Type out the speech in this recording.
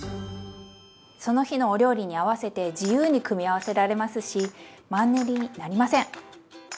その日のお料理に合わせて自由に組み合わせられますしマンネリになりません！